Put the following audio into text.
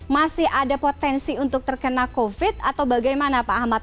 masih ada potensi untuk terkena covid atau bagaimana pak ahmad